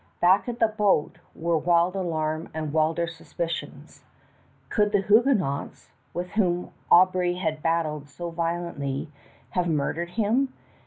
Back at the boat were wild alarm and wilder suspicions. Could the Huguenots, with whom Aubry had battled so violently, have murdered him?